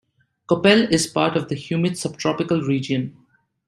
Coppell is part of the humid subtropical region.